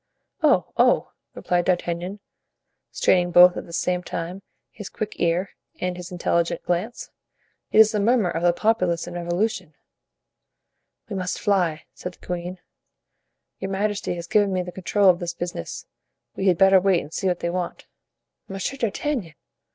"Oh, oh!" replied D'Artagnan, straining both at the same time his quick ear and his intelligent glance, "it is the murmur of the populace in revolution." "We must fly," said the queen. "Your majesty has given me the control of this business; we had better wait and see what they want." "Monsieur d'Artagnan!"